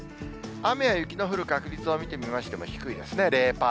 雨や雪の降る確率を見てみましても低いですね。